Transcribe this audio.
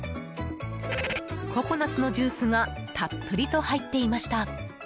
ココナツのジュースがたっぷりと入っていました。